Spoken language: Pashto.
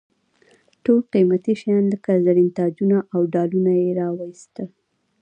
ټول قیمتي شیان لکه زرین تاجونه او ډالونه یې را واېستل.